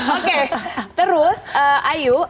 oke terus ayu